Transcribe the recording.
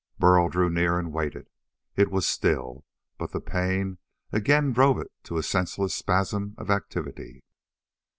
Burl drew near and waited. It was still, but pain again drove it to a senseless spasm of activity.